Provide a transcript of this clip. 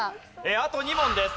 あと２問です。